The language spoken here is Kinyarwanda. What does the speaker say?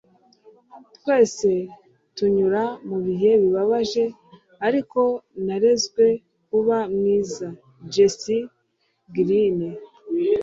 twese tunyura mu bihe bibabaje, ariko narezwe kuba mwiza. - jess glynne